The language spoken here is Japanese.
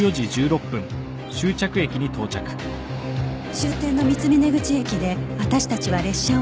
終点の三峰口駅で私たちは列車を降りた